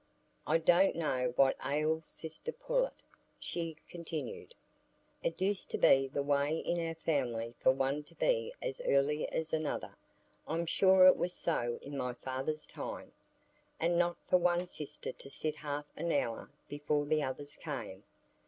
"I don't know what ails sister Pullet," she continued. "It used to be the way in our family for one to be as early as another,—I'm sure it was so in my poor father's time,—and not for one sister to sit half an hour before the others came.